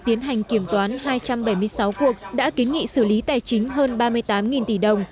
tiến hành kiểm toán hai trăm bảy mươi sáu cuộc đã kiến nghị xử lý tài chính hơn ba mươi tám tỷ đồng